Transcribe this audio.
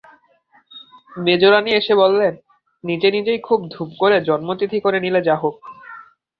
মেজোরানী এসে বললেন, নিজে নিজেই খুব ধুম করে জন্মতিথি করে নিলি যা হোক।